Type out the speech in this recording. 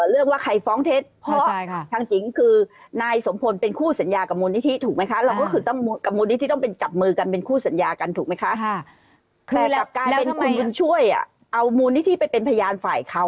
เอามูลนิธิไปเป็นพยานฝ่ายเขา